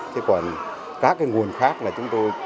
thế còn các cái nguồn khác là chúng tôi